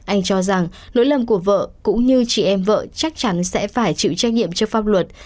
anh cho rằng lỗi lầm của vợ cũng như chị em vợ chắc chắn sẽ phải chịu trách nhiệm trước pháp luật